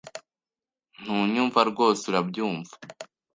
Ntunyumva rwose, urabyumva?